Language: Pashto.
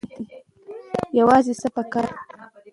یوازې هڅه پکار ده.